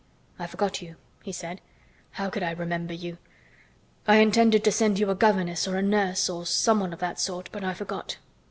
"I forgot you," he said. "How could I remember you? I intended to send you a governess or a nurse, or someone of that sort, but I forgot."